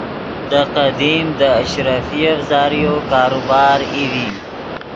دے قدیم دے اشرفیف ذریعو کاروبار ای ڤی